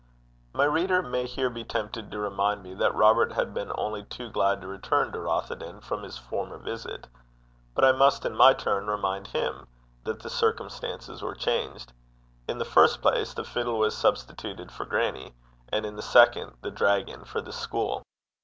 My reader may here be tempted to remind me that Robert had been only too glad to return to Rothieden from his former visit. But I must in my turn remind him that the circumstances were changed. In the first place, the fiddle was substituted for grannie; and in the second, the dragon for the school.